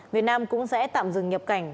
việt nam cũng sẽ tạm dừng nhập cảnh